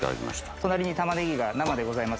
隣にタマネギが生でございます。